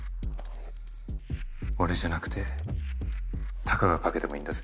俺じゃなくてタカが掛けてもいいんだぜ？